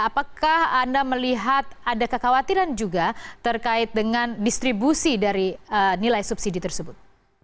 apakah anda melihat ada kekhawatiran juga terkait dengan distribusi dari nilai subsidi tersebut